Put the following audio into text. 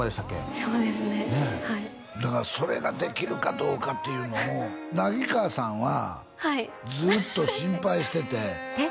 そうですねはいだからそれができるかどうかっていうのを梛川さんははいずっと心配しててえっ？